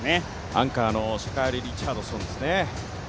アンカーのシャカリ・リチャードソンですね。